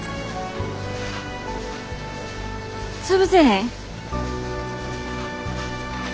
潰せへん。